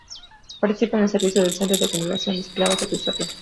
Participa en el servicio del centro la Congregación de Esclavas de Cristo Rey.